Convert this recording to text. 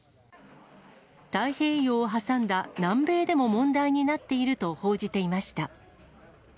太平洋を挟んだ南米でも問題になっていると報じていました。